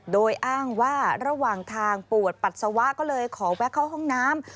โดยอ้างว่าระหว่างทางปวดปัสสาวะก็เลยขอแวะเข้าห้องน้ำ